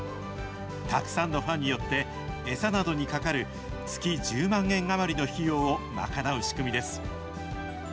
たくさんのファンによって、餌などにかかる月１０万円余りの費用を賄う仕組みです。